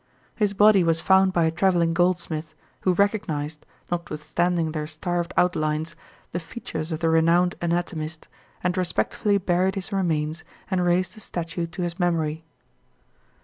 His body was found by a travelling goldsmith, who recognized, notwithstanding their starved outlines, the features of the renowned anatomist, and respectfully buried his remains and raised a statue to his memory.